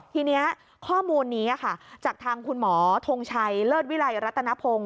ทีนี้ข้อมูลนี้จากทางคุณหมอทงชัยเลิศวิลัยรัตนพงศ์